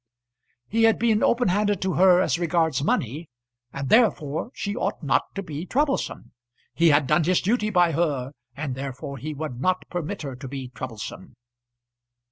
He had been open handed to her as regards money, and therefore she ought not to be troublesome! He had done his duty by her, and therefore he would not permit her to be troublesome!